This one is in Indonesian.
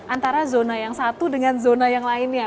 antara zona yang satu dengan zona yang lainnya